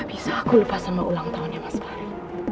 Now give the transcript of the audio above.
ini kan ulang tahunnya mas fahri